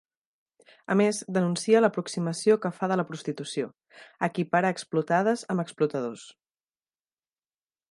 A més, denuncia l’aproximació que fa de la prostitució: “Equipara explotades amb explotadors”.